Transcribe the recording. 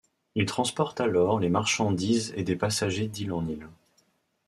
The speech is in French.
Il transporte alors des marchandises et des passagers d'île en île.